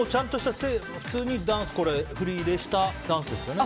普通に振り入れしたダンスですよね。